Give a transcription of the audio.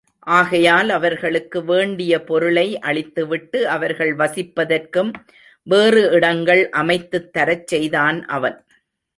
ஆகையால் அவர்களுக்கு வேண்டிய பொருளை அளித்துவிட்டு அவர்கள் வசிப்பதற்கும் வேறு இடங்கள் அமைத்துத் தரச் செய்தான் அவன்.